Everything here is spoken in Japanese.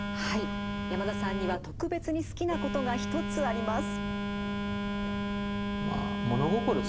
山田さんには特別に好きなことが一つあります。